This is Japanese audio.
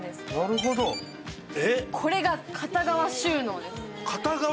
これが片側収納です。